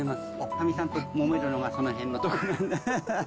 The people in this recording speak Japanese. かみさんともめるのがそのへんのところで。